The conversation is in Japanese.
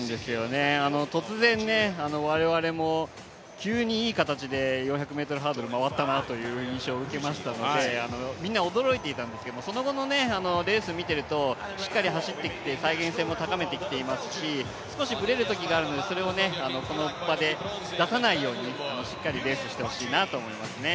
突然、我々も急にいい形で４００ｍハードル回ったなという印象を受けましたのでみんな、驚いていたんですけどその後のレースを見ているとしっかり走ってきていて再現性も高めてきていますし少しぶれるときがあるので、それをこの場で出さないようにしっかりレースしてほしいなと思いますね。